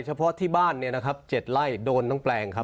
เฉพาะที่บ้านเนี่ยนะครับ๗ไร่โดนทั้งแปลงครับ